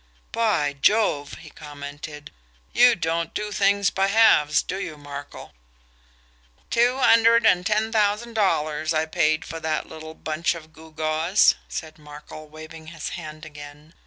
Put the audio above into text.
"By Jove!" he commented. "You don't do things by halves, do you, Markel?" "Two hundred and ten thousand dollars I paid for that little bunch of gewgaws," said Markel, waving his hand again.